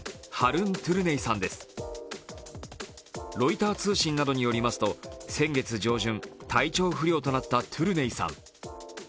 ロイター通信などによりますと、先月上旬、体調不良となったトゥルネイさん。